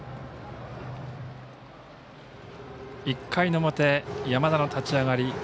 １回の表、山田の立ち上がり。